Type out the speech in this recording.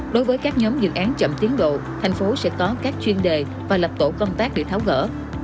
đối với các nhóm dự án chậm tiến bộ tp sẽ có các chuyên đề và lập tổ công tác để tháo gỡ